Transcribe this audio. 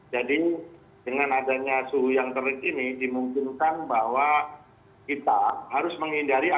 jadi dengan adanya suhu yang terik ini dimungkinkan bahwa kita harus menghindari aktivitas